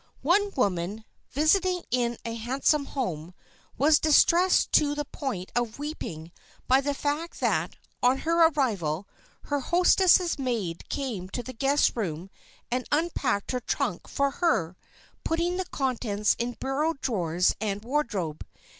One woman, visiting in a handsome home, was distressed to the point of weeping by the fact that, on her arrival, her hostess' maid came to the guest's room and unpacked her trunk for her, putting the contents in bureau drawers and wardrobe.